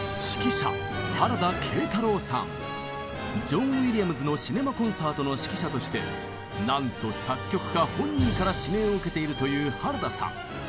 ジョン・ウィリアムズのシネマ・コンサートの指揮者としてなんと作曲家本人から指名を受けているという原田さん。